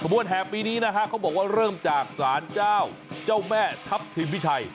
ส่วนแห่ปีนี้นะครับเค้าบอกว่าเริ่มจากสารเจ้าจ้าวแม่ทับถิ่นพี่ชัย